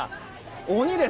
鬼です。